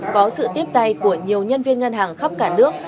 có sự tiếp tay của nhiều nhân viên ngân hàng khắp cả nước